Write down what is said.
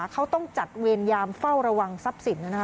เขาต้องจัดเวรยามเฝ้าระวังทรัพย์สิน